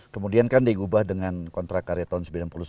kemudian kan digubah dengan kontrak karya tahun sembilan puluh satu